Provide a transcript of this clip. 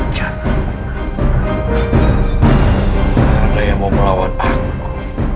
yang mau melawan aku